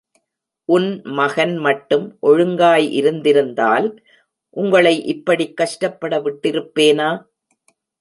உன் மகன் மட்டும் ஒழுங்காய் இருந்திருந்தால் உங்களை இப்படிக் கஷ்டப் பட விட்டிருப்பேனா?